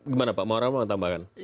gimana pak mau ramah atau mau tambahkan